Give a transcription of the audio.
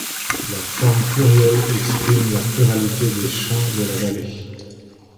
La forme pluriel exprime la pluralité des champs de la vallée.